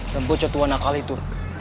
dan bocah tuhan akal itu